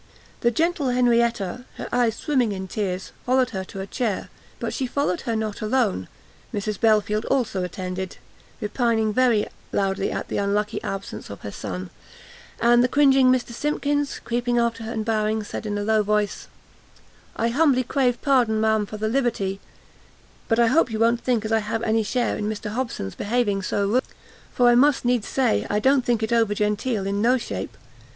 The gentle Henrietta, her eyes swimming in tears, followed her to her chair; but she followed her not alone, Mrs Belfield also attended, repining very loudly at the unlucky absence of her son; and the cringing Mr Simkins, creeping after her and bowing, said in a low voice, "I humbly crave pardon, ma'am, for the liberty, but I hope you won't think as I have any share in Mr Hobson's behaving so rude, for I must needs say, I don't think it over genteel in no shape."